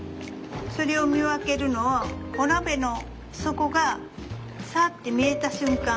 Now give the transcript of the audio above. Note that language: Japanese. それを見分けるのをお鍋の底がサって見えた瞬間。